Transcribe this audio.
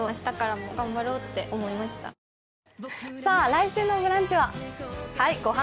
来週の「ブランチ」は？